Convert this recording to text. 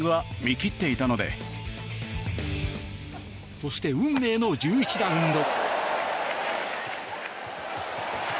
そして運命の１１ラウンド。